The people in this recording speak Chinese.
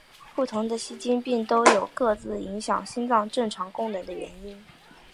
不同的心肌病都有各自影响心脏正常功能的原因。